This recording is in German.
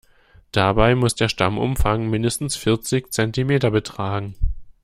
Dabei muss der Stammumfang mindestens vierzig Zentimeter betragen.